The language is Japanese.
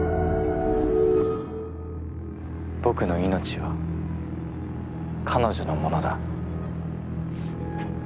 僕の命は彼女のものだ。